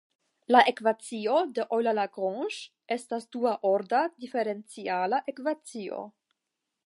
La ekvacio de Euler–Lagrange estas dua-orda diferenciala ekvacio.